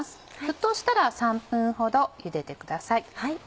沸騰したら３分ほどゆでてください。